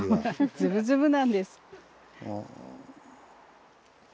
ズブズブなんです。